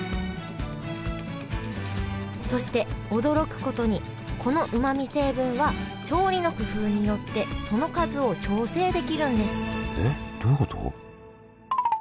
そして驚くことにこのうまみ成分は調理の工夫によってその数を調整できるんですえっどういうこと？